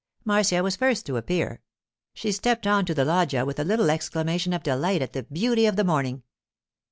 Marcia was first to appear. She stepped on to the loggia with a little exclamation of delight at the beauty of the morning.